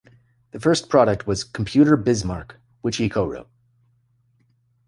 The first product was "Computer Bismarck", which he co-wrote.